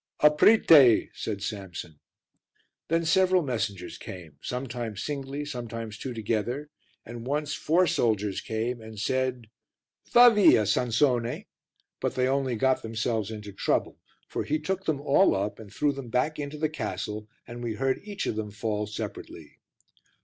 "Aprite," said Samson. Then several messengers came, sometimes singly, sometimes two together, and once four soldiers came and said "Va via, Sansone," but they only got themselves into trouble, for he took them all up and threw them back into the castle and we heard each of them fall separately.